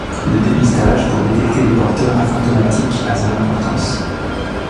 Le dépistage pour détecter les porteurs asymptomatiques a son importance.